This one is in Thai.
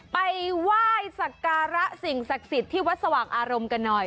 ไปว่ายสการสิ่งศักดิ์ศิษฐ์ที่วัดสว่างอารมณ์กันหน่อย